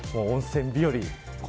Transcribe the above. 温泉日和